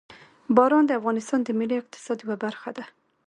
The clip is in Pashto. باران د افغانستان د ملي اقتصاد یوه برخه ده.